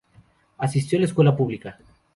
Asistió a la escuela pública.